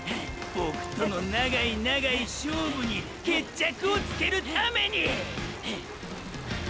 ボクとの長い長い勝負に決着をつけるためにィ！！